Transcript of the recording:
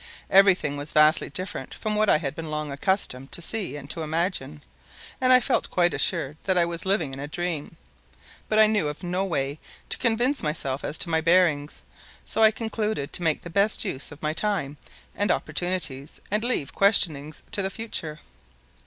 Everything was vastly different from what I had been long accustomed to see and to imagine, and I felt quite assured that I was living in a dream. But I knew of no way to convince myself as to my bearings, so I concluded to make the best use of my time and opportunities, and leave questionings to the future.